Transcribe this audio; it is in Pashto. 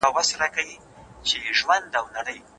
د خښکیار او شاترینې کيسه مي په مينه ولوسته.